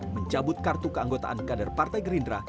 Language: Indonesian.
mencabut kartu keanggotaan kader partai gerindra